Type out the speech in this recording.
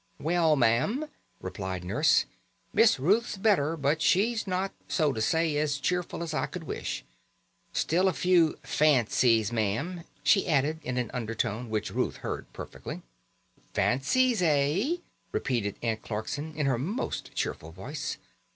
"Well, ma'am," replied Nurse, "Miss Ruth's better; but she's not, so to say, as cheerful as I could wish. Still a few fancies ma'am," she added in an undertone, which Ruth heard perfectly. "Fancies, eh?" repeated Aunt Clarkson in her most cheerful voice.